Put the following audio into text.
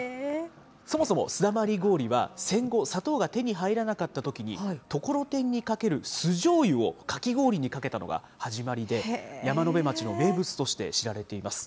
そもそもすだまり氷は、戦後、砂糖が手に入らなかったときに、ところてんにかける酢じょうゆをかき氷にかけたのが始まりで、山辺町の名物として知られています。